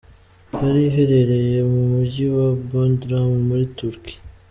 Yari iherereye mu mugi wa Bodrum muri Turquie.